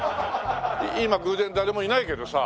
今偶然誰もいないけどさ。